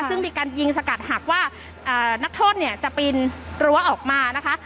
ซึ่งมีการยิงสกัดหากว่านักโทษเนี่ยจะปีนรั้วออกมานะคะ